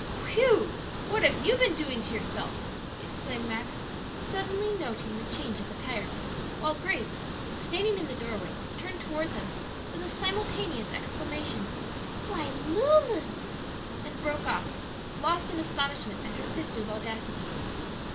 "Whew! what have you been doing to yourself?" exclaimed Max, suddenly noting the change of attire, while Grace, standing in the doorway, turned toward them with a simultaneous exclamation, "Why, Lulu " then broke off, lost in astonishment at her sister's audacity.